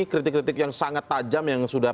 kritik kritik yang sangat tajam yang sudah